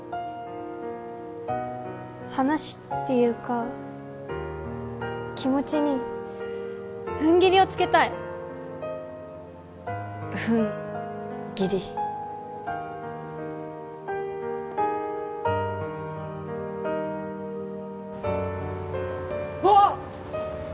話っていうか気持ちにふんぎりをつけたいふんぎりあっ！